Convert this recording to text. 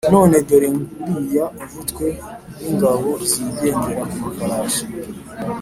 none dore nguriya umutwe w ingabo zigendera ku mafarashi